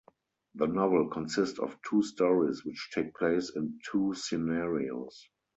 The novel consist of two stories which take place in two scenarios.